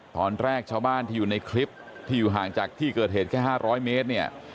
ตอนแรกชาวบ้านที่อยู่ในคลิปที่อยู่ห่างจากที่เกิดเหตุแค่๕๐๐เมตรเนี่ย